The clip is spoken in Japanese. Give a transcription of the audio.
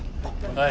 はい。